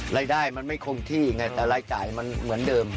รายได้มันไม่คงที่ไงแต่รายจ่ายมันเหมือนเดิม